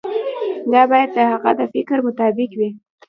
دا باید د هغه د فکر مطابق وي.